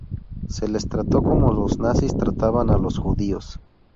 Se les trató como los nazis trataban a los judíos.